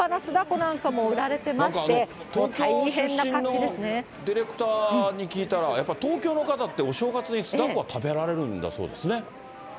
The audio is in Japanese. なんか東京出身のディレクターに聞いたら、やっぱ東京の方って、お正月に酢だこは食べられるんだそうですね。